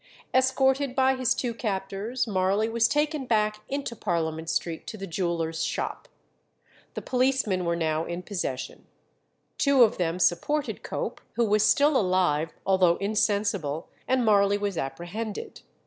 Escorted by his two captors, Marley was taken back into Parliament Street to the jeweller's shop. The policemen were now in possession; two of them supported Cope, who was still alive, although insensible, and Marley was apprehended.